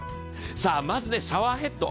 まずシャワーヘッド。